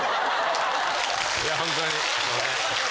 いやほんとにすいません。